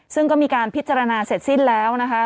ซึ่งก็มีการพิจารณาเสร็จสิ้นแล้วนะคะ